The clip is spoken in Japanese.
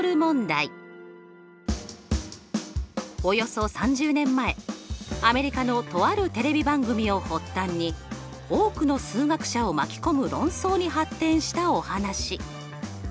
およそ３０年前アメリカのとあるテレビ番組を発端に多くの数学者を巻き込む論争に発展したお話。